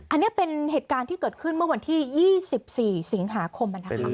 อันนี้เป็นเหตุการณ์ที่เกิดขึ้นเมื่อวันที่๒๔สิงหาคม